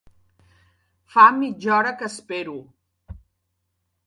Fa mitja hora que espero.